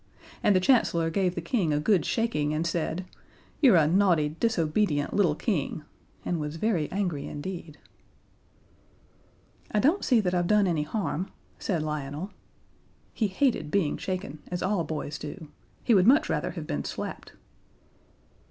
And the Chancellor gave the King a good shaking, and said: "You're a naughty, disobedient little King!" and was very angry indeed. "I don't see that I've done any harm," said Lionel. He hated being shaken, as all boys do; he would much rather have been slapped.